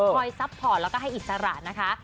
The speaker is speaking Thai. ซัพพอร์ตแล้วก็ให้อิสระนะคะ